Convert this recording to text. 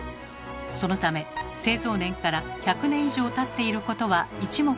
そのため製造年から１００年以上たっていることは一目瞭然。